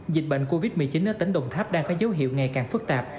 dịch bệnh covid một mươi chín ở tỉnh đồng tháp đang có dấu hiệu ngày càng phức tạp